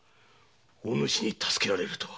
お主に助けられるとは。